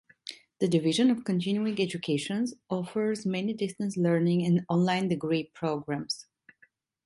The Division of Continuing Education offers many distance learning and online degree programs.